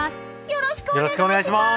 よろしくお願いします！